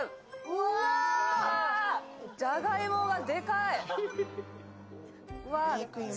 じゃがいもがでかい！